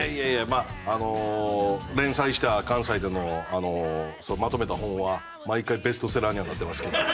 まああの連載した関西でのまとめた本は毎回ベストセラーにはなってますけど。